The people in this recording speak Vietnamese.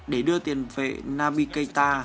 để đưa tiền vệ naby keita